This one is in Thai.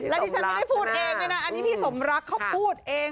อันนี้ฉันไม่ได้พูดเองเลยอันนี้พี่สมรักพูดเอง